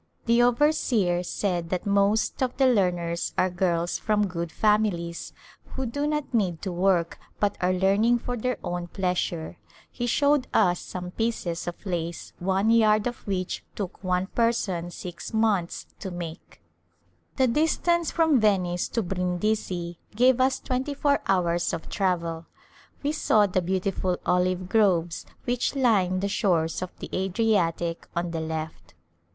The overseer said that most of the learners are girls from good families who do not need to work but are learning for their own pleasure. He showed us some pieces of lace one yard of which took one person six months to make. The distance from Venice to Brindisi gave us twenty four hours of travel. We saw the beautiful olive groves which line the shores of the Adriatic on the left.